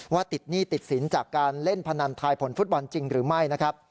ติดหนี้ติดสินจากการเล่นพนันทายผลฟุตบอลจริงหรือไม่นะครับ